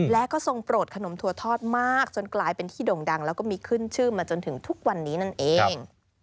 และก็ทรงโปรดขนมถั่วทอดมากจนกลายเป็นที่ด่งดังแล้วก็มีขึ้นชื่อมาจนถึงทุกวันนี้นั่นเอง